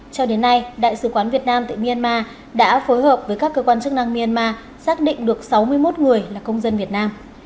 cho đến nay đại sứ quán việt nam tại myanmar đã phối hợp với các cơ quan chức năng myanmar xác định được sáu mươi một người là công dân việt nam